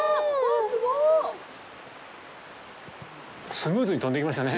スムーズに飛んでいきましたね。